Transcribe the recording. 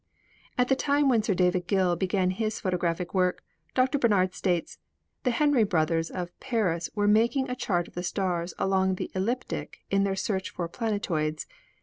At the time when Sir David Gill began his photographic work, Dr. Barnard states, "the Henry brothers of Paris were making a chart of the stars along the ecliptic in their search for planetoids.